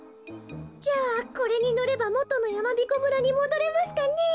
じゃあこれにのればもとのやまびこ村にもどれますかねえ。